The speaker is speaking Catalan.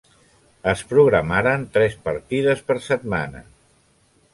Es programaren tres partides per setmana.